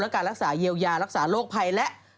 การรักษาเยียวยารักษาโรคภัยและ